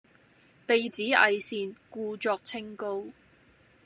被指偽善，故作清高